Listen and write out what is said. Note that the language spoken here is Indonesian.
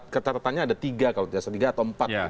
ketatanya ada tiga kalau terserah tiga atau empat